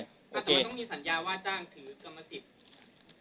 แต่ว่าต้องมีสัญญาว่าจ้างถือกรรมสิทธิ์